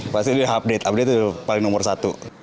pasti udah update update itu paling nomor satu